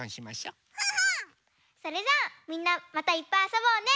それじゃあみんなまたいっぱいあそぼうね！